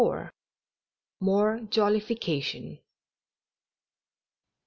MORE JOLLIFICATION.